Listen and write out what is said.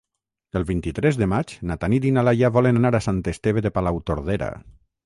El vint-i-tres de maig na Tanit i na Laia volen anar a Sant Esteve de Palautordera.